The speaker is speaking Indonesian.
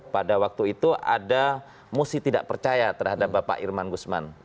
pada waktu itu ada musi tidak percaya terhadap bapak irman gusman